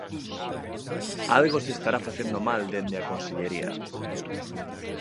Algo se estará facendo mal dende a consellería.